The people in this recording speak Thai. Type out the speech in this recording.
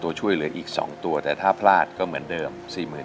ทั้งในเรื่องของการทำงานเคยทำนานแล้วเกิดปัญหาน้อย